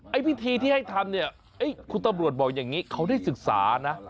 พิธีที่ให้ทำเนี่ยคุณตำรวจบอกอย่างนี้เขาได้ศึกษานะ